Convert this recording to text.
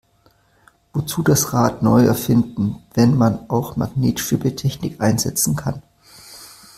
Wozu das Rad neu erfinden, wenn man auch Magnetschwebetechnik einsetzen kann?